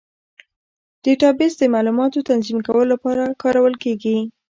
ډیټابیس د معلوماتو تنظیم کولو لپاره کارول کېږي.